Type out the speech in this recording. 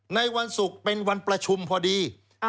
ในวันศุกร์เป็นวันประชุมพอดี